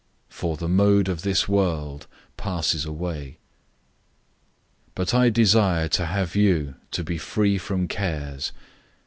For the mode of this world passes away. 007:032 But I desire to have you to be free from cares.